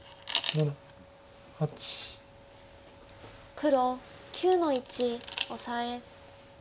黒９の一オサエ。